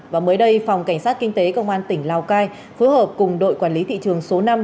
và mới đây phòng cảnh sát kinh tế công an tỉnh lào cai phối hợp cùng đội quản lý thị trường số năm